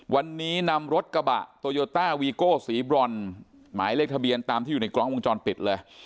วันนี้นำรถกระบะโตโยต้าวีโก้สีบรอนหมายเลขทะเบียนตามที่อยู่ในกล้องวงจรปิดเลย